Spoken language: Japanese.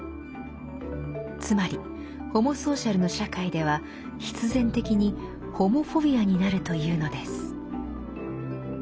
つまりホモソーシャルの社会では必然的にホモフォビアになるというのです。